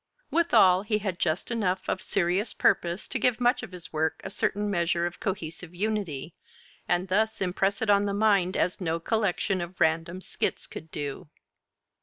Withal, he had just enough of serious purpose to give much of his work a certain measure of cohesive unity, and thus impress it on the mind as no collection of random skits could do.